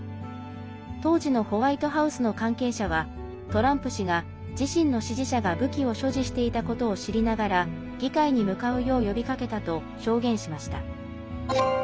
当時のホワイトハウスの関係者はトランプ氏が自身の支持者が武器を所持していたことを知りながら議会に向かうよう呼びかけたと証言しました。